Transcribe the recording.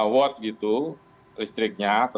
watt gitu listriknya